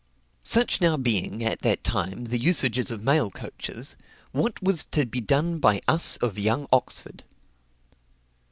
Such now being, at that time, the usages of mail coaches, what was to be done by us of young Oxford?